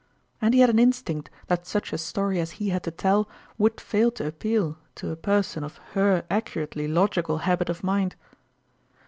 And he had an instinct that such a story as he had to tell would fail to appeal to a person of her accurately logical habit of mind.